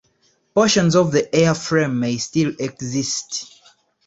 Portions of the airframe may still exist.